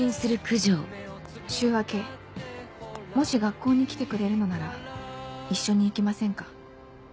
「週明けもし学校に来てくれるのなら一緒に行きませんか？」。